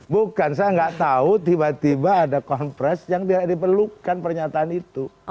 bukan saya gak tau tiba tiba ada konfres yang diperlukan pernyataan itu